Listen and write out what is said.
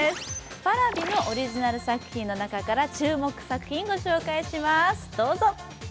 Ｐａｒａｖｉのオリジナル作品の中から注目作品ご紹介します、どうぞ。